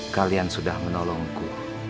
kalian sudah menolongku